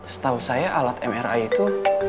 setahu saya alat mri itu